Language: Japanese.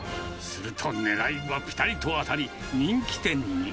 すると、ねらいはぴたりと当たり、人気店に。